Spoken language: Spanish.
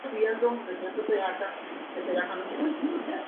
La puerta tiene una arquivolta sobre el ábaco.